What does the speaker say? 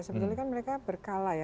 sebetulnya kan mereka berkala ya